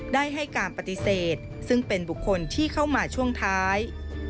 ได้ให้การปฏิเสธซึ่งเป็นบุคคลที่เข้ามาช่วงท้าย